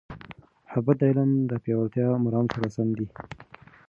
محبت د علم د پیاوړتیا مرام سره سم دی.